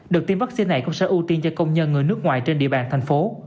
được tiêm vaccine này cũng sẽ ưu tiên cho công nhân người nước ngoài trên địa bàn thành phố